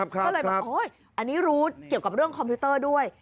ก็เลยแบบโอ๊ยอันนี้รู้เกี่ยวกับเรื่องคอมพิวเตอร์ด้วย